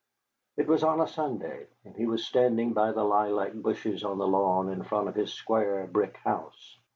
It was on a Sunday, and he was standing by the lilac bushes on the lawn in front of his square brick house.